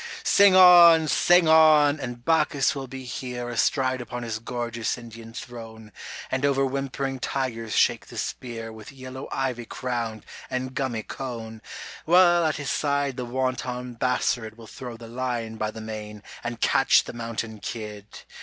Sing on ! sing on ! and Bacchus will be here Astride upon his gorgeous Indian throne, And over whimpering tigers shake the spear With yellow ivy crowned and gummy cone, While at his side the wanton Bassarid Will throw the lion by the mane and catch the mountain kid